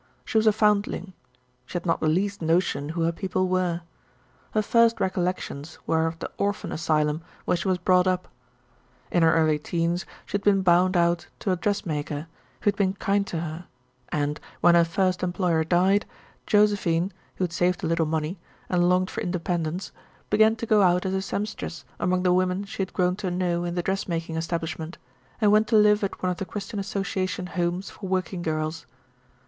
She was a foundling. She had not the least notion who her people were. Her first recollections were of the orphan asylum where she was brought up. In her early teens she had been bound out to a dressmaker, who had been kind to her, and, when her first employer died, Josephine, who had saved a little money, and longed for independence, began to go out as a seamstress among the women she had grown to know in the dressmaking establishment, and went to live at one of the Christian Association homes for working girls.